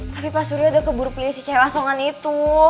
tapi pak surya udah keburu pilih si cewek asongan itu